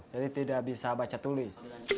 jadi tidak bisa baca tulis